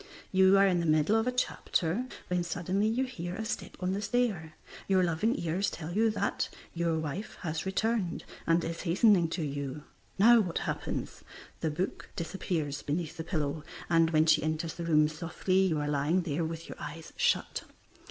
You are in the middle of a chapter, when suddenly you hear a step upon the stair. Your loving ears tell you that your wife has returned, and is hastening to you. Now, what happens? The book disappears beneath the pillow, and when she enters the room softly you are lying there with your eyes shut.